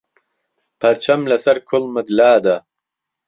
پهرچهم له سهر کوڵمت لاده